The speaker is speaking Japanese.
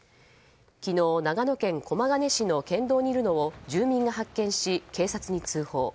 昨日、長野県駒ケ根市の県道にいるのを住民が発見し、警察に通報。